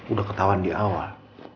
udah ketahuan di awal